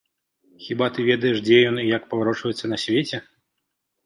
Хіба ты ведаеш, дзе ён і як паварочваецца на свеце?